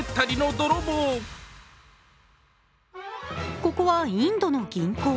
ここはインドの銀行。